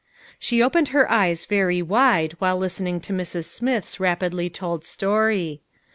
She opened her eyes very wide while listening to Mrs. Smith's rapidly told story.